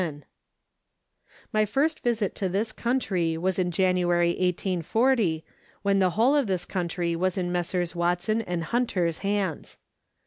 181 My first visit to this country was in January 1840, when the whole of this country was in Messrs. Watson and Hunter's hands.